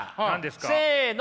せの！